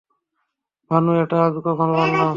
ভানু, এটা আমি কখন বললাম?